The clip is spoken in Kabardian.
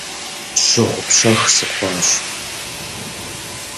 Щыгъупщэх сыхъуащ.